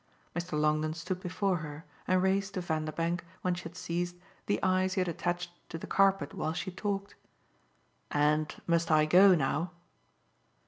Mr. Longdon stood before her and raised to Vanderbank, when she had ceased, the eyes he had attached to the carpet while she talked. "And must I go now?"